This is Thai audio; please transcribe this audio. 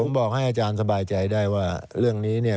ผมบอกให้อาจารย์สบายใจได้ว่าเรื่องนี้เนี่ย